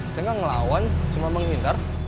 saya nggak ngelawan cuma menghindar